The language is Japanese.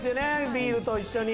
ビールと一緒に。